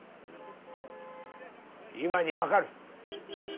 今に分かる。